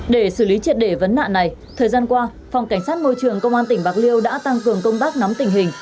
để xử lý triệt để vấn nạn này thời gian qua phòng cảnh sát môi trường công an tỉnh bạc liêu đã tăng cường công tác nắm tình hình